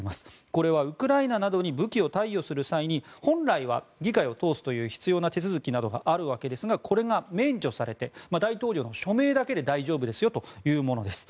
これはウクライナなどに武器を貸与する際に本来は議会を通すという必要な手続きがあるわけですがこれが、免除されて大統領の署名だけで大丈夫ですよというものです。